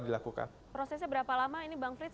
dilakukan prosesnya berapa lama ini bang frits